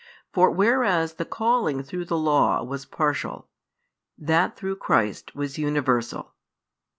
For whereas the calling through the Law was partial, that through Christ was universal.